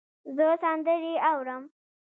زه سندرې اورم.